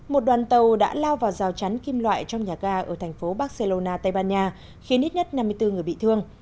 một đoàn tàu đã lao vào rào chắn kim loại trong nhà ga ở thành phố barcelona tây ban nha khiến ít nhất năm mươi bốn người bị thương